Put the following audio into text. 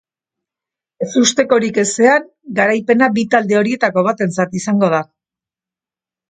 Ezustekorik ezean, garaipena bi talde horietako batentzat izango da.